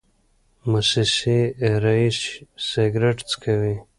موسسې رییس سګرټ څکوي.